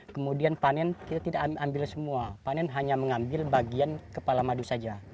kemudian panen kita tidak ambil semua panen hanya mengambil bagian kepala madu saja